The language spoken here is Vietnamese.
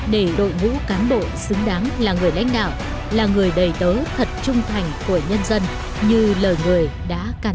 để đội ngũ cán bộ xứng đáng là người lãnh đạo là người đầy tớ thật trung thành của nhân dân như lời người đã can